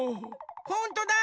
ほんとだ！